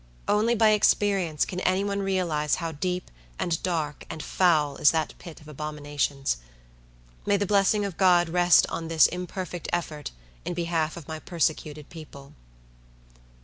Only by experience can any one realize how deep, and dark, and foul is that pit of abominations. May the blessing of God rest on this imperfect effort in behalf of my persecuted people!